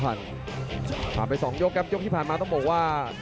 ผ่านไป๒ยกครับยกที่ผ่านมาต้องบอกว่า